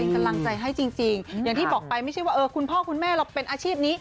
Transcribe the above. กำลังใจให้จริงอย่างที่บอกไปไม่ใช่ว่าคุณพ่อคุณแม่เราเป็นอาชีพนี้